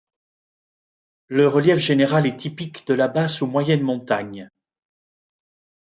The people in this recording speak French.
Le relief général est typique de la basse ou moyenne montagne.